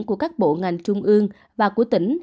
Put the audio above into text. của các bộ ngành trung ương và của tỉnh